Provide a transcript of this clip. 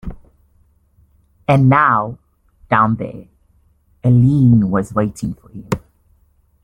And now, down there, Eileen was waiting for him.